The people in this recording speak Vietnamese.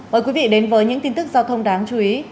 mời quý vị đến với những tin tức giao thông đáng chú ý